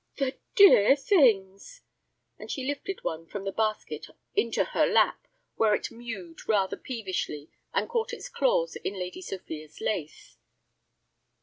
"The dear things!" and she lifted one from the basket into her lap, where it mewed rather peevishly, and caught its claws in Lady Sophia's lace.